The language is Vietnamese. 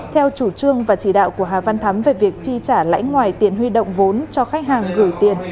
theo chủ trương và chỉ đạo của hà văn thắm về việc chi trả lãi ngoài tiền huy động vốn cho khách hàng gửi tiền